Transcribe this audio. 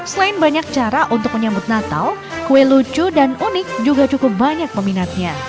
selain banyak cara untuk menyambut natal kue lucu dan unik juga cukup banyak peminatnya